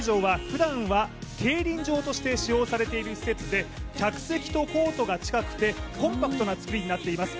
ふだんは競輪場として使用されている施設で客席とコートが近くてコンパクトなつくりになっています。